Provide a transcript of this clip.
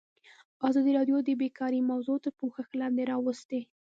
ازادي راډیو د بیکاري موضوع تر پوښښ لاندې راوستې.